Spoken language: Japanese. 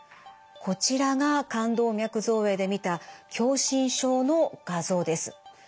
こちらが冠動脈造影で見た狭心症の画像です。